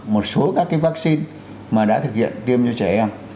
một số các vaccine mà đã thực hiện tiêm cho trẻ em